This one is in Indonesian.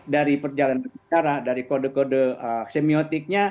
dari perjalanan sejarah dari kode kode semiotiknya